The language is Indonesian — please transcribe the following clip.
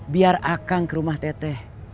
biar akang ke rumah teteh